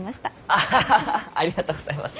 アハハハありがとうございます。